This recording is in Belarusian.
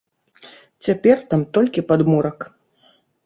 Цяпер там толькі падмурак.